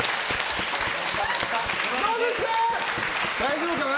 大丈夫かな？